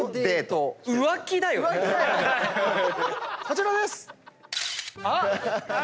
こちらです！